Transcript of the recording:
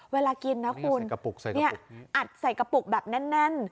เวลากินนะคุณใส่กระปุกใส่กระปุกแบบแน่น